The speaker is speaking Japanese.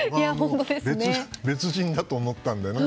別人だと思ったんだよね。